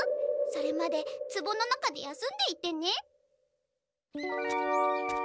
それまでつぼの中で休んでいてね。